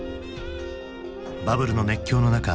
バブルの熱狂の中